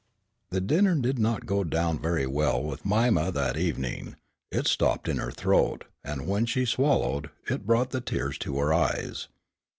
The dinner did not go down very well with Mima that evening. It stopped in her throat, and when she swallowed, it brought the tears to her eyes.